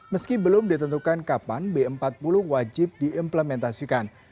meski belum ditentukan kapan b empat puluh wajib diimplementasikan